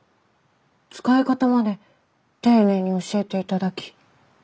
使い方まで丁寧に教えて頂き。